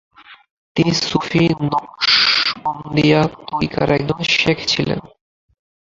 তিনি সুফি নকশবন্দিয়া তরিকার একজন শেখ ছিলেন।